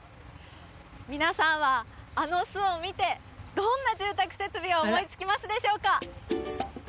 皆さんはあの巣を見てどんな住宅設備を思いつきますでしょうか？